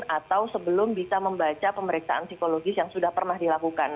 atau sebelum bisa membaca pemeriksaan psikologis yang sudah pernah dilakukan